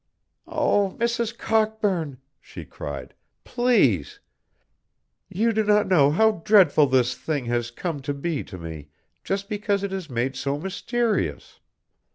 "Oh, Mrs. Cockburn!" she cried. "Please! You do not know how dreadful this thing has come to be to me just because it is made so mysterious.